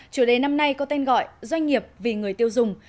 chủ đề năm nay có tên gọi doanh nghiệp vì người tiêu dùng